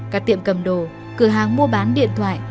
các tiệm cầm đồ cửa hàng mua bán điện thoại